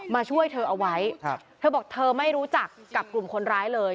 มาช่วยเธอเอาไว้เธอบอกเธอไม่รู้จักกับกลุ่มคนร้ายเลย